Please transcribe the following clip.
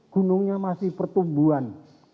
gunungnya masih pertumbuhan